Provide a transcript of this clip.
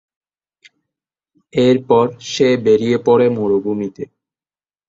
এরপর সে বেরিয়ে পড়ে মরুভূমিতে।